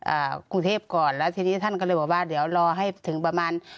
อ่ากรุงเทพก่อนแล้วทีนี้ท่านก็เลยบอกว่าเดี๋ยวรอให้ถึงประมาณ